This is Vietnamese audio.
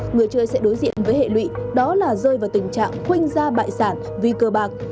người chơi sẽ đối diện với hệ lụy đó là rơi vào tình trạng khuynh ra bại sản vì cơ bạc